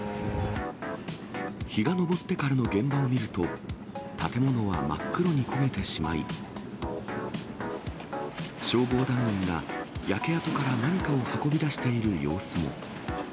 日が昇ってからの現場を見ると、建物は真っ黒に焦げてしまい、消防団員が焼け跡から何かを運び出している様子も。